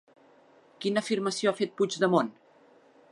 Quina afirmació ha fet Puigdemont?